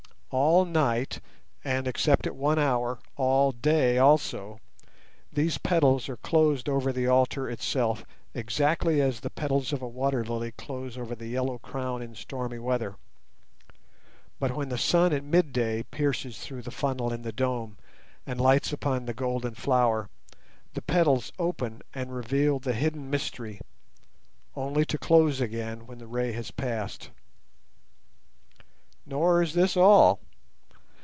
All night and, except at one hour, all day also, these petals are closed over the altar itself exactly as the petals of a water lily close over the yellow crown in stormy weather; but when the sun at midday pierces through the funnel in the dome and lights upon the golden flower, the petals open and reveal the hidden mystery, only to close again when the ray has passed. Nor is this all.